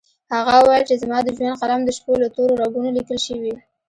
هغې وويل چې زما د ژوند قلم د شپو له تورو رګونو ليکل کوي